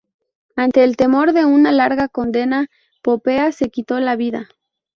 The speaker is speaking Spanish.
Ante el temor de una larga condena, Popea se quitó la vida.